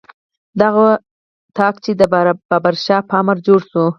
دغه طاق چې د بابر شاه په امر جوړ شو.